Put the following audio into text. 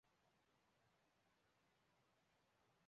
拉戈阿多拉达是巴西米纳斯吉拉斯州的一个市镇。